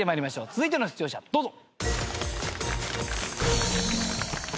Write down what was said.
続いての出場者どうぞ。